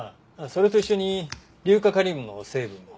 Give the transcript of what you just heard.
それと一緒に硫化カリウムの成分も。